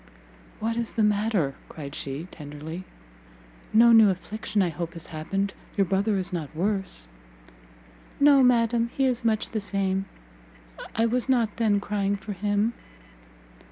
"What is the matter?" cried she, tenderly; "no new affliction I hope has happened? Your brother is not worse?" "No, madam, he is much the same; I was not then crying for him."